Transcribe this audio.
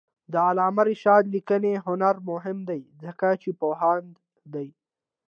د علامه رشاد لیکنی هنر مهم دی ځکه چې پوهاند دی.